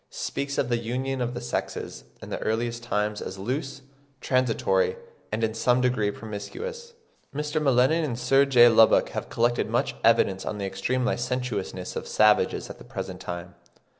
163, speaks of the union of the sexes "in the earliest times as loose, transitory, and in some degree promiscuous." Mr. M'Lennan and Sir J. Lubbock have collected much evidence on the extreme licentiousness of savages at the present time.